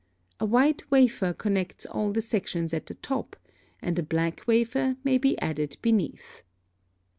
A white wafer connects all the sections at the top, and a black wafer may be added beneath.